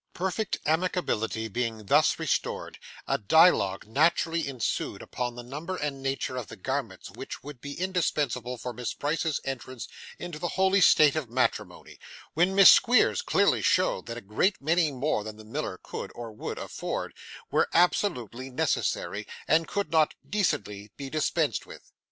Perfect amicability being thus restored, a dialogue naturally ensued upon the number and nature of the garments which would be indispensable for Miss Price's entrance into the holy state of matrimony, when Miss Squeers clearly showed that a great many more than the miller could, or would, afford, were absolutely necessary, and could not decently be dispensed with.